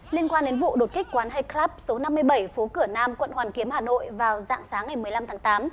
liên quan đến vụ đột kích quán hay club số năm mươi bảy phố cửa nam quận hoàn kiếm hà nội vào dạng sáng ngày một mươi năm tháng tám